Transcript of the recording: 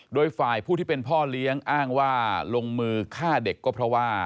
โดยฝ่ายผู้ที่เป็นพ่อเลี้ยงอ้างว่าลงมือฆ่าเด็กก็เพราะว่า